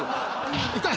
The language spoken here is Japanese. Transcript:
痛い！